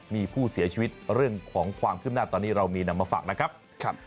มีผู้เสียชีวิตเรื่องของความคืบหน้าตอนนี้เรามีนำมาฝากนะครับ